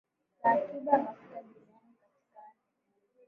za akiba ya mafuta duniani katika ardhi